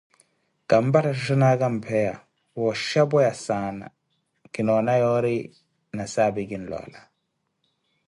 kampattha shoshonaka mpeya, wa oshapweya saana, kinoona yoori nasaapi kinloola.